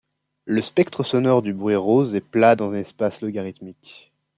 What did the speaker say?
Le spectre sonore du bruit rose est plat dans un espace logarithmique.